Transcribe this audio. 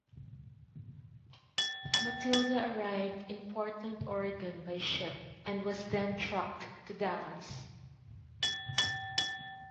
Matilda arrived in Portland, Oregon, by ship and was then trucked to Dallas.